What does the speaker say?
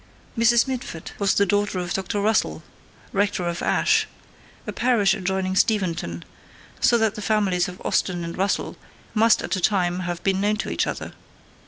Mrs. Mitford was the daughter of Dr. Russell, Rector of Ashe, a parish adjoining Steventon, so that the families of Austen and Russell must at that time have been known to each other.